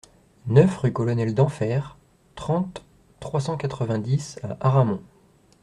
neuf rue Colonel Denfert, trente, trois cent quatre-vingt-dix à Aramon